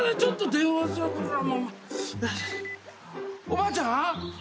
おばあちゃん？